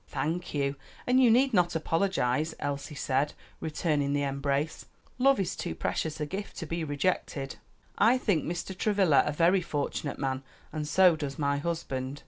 "Thank you, and you need not apologize," Elsie said, returning the embrace; "love is too precious a gift to be rejected." "I think Mr. Travilla a very fortunate man, and so does my husband."